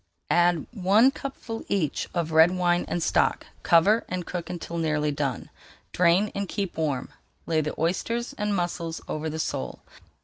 Add one cupful each of red wine and stock, cover, and cook until nearly done. Drain and keep warm, lay the oysters and mussels over the sole.